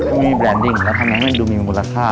ทำได้มีแบรนด์ที่มันมีมูลค่า